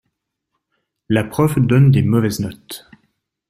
La prof donne des mauvaises notes.